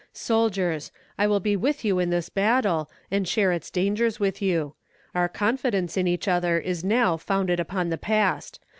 Soldiers! I will be with you in this battle, and share its dangers with you. Our confidence in each other is now founded upon the past.